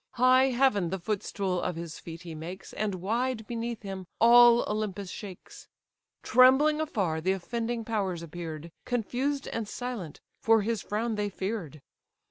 High heaven the footstool of his feet he makes, And wide beneath him all Olympus shakes. Trembling afar the offending powers appear'd, Confused and silent, for his frown they fear'd.